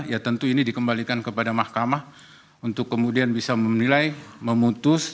ya tentu ini dikembalikan kepada mahkamah untuk kemudian bisa menilai memutus